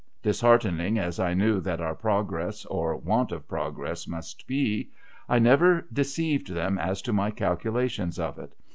Disheartening as I knew that our progress, or want of progress, must be, I never deceived them as to my calculations of it.